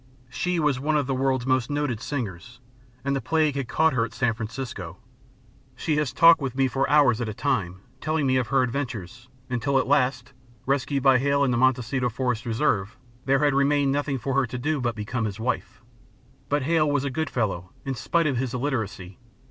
She was one of the world's most noted singers, and the plague had caught her at San Francisco. She has talked with me for hours at a time, telling me of her adventures, until, at last, rescued by Hale in the Mendocino Forest Reserve, there had remained nothing for her to do but become his wife. But Hale was a good fellow, in spite of his illiteracy.